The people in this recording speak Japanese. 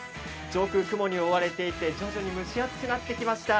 上空、雲に覆われていて徐々に蒸し暑くなってきました。